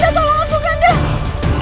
lihaskan aku lihaskan aku